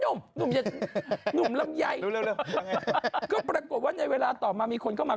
นุ่มนุ่มเย็ดนุ่มลำใยรู้เร็วรู้เร็วว่าไงก็ปรากฏว่าในเวลาต่อมามีคนเข้ามา